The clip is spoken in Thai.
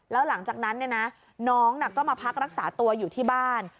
แล้วหลังจากนั้นน้องก็มาพักรักษาตัวอยู่ที่บ้าน